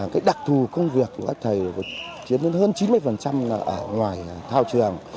cái đặc thù công việc của các thầy chiến hơn chín mươi ở ngoài thao trường